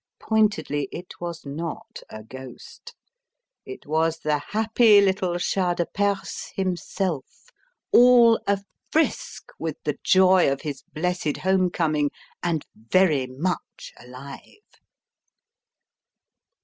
Pointedly, it was not a ghost. It was the happy little Shah de Perse himself all a frisk with the joy of his blessed home coming and very much alive!